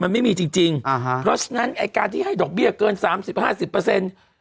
มันไม่มีจริงจริงอ่าฮะเพราะฉะนั้นไอ้การที่ให้ดอกเบี้ยเกินสามสิบห้าสิบเปอร์เซ็นต์